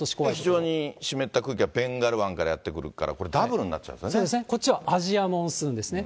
非常に湿った空気がベンガル湾からやって来るから、これダブこっちはアジアモンスーンですね。